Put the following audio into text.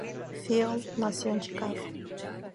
Phil nació en Chicago.